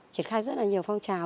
triển khai rất là nhiều phong trào